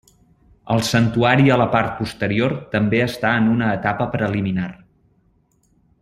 El santuari a la part posterior també està en una etapa preliminar.